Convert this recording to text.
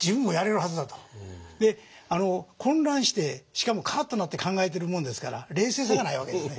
混乱してしかもカッとなって考えてるもんですから冷静さがないわけですね。